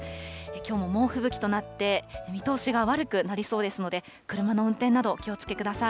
きょうも猛吹雪となって、見通しが悪くなりそうですので、車の運転などお気をつけください。